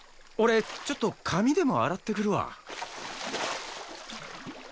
俺ちょっと髪でも洗ってくるわ。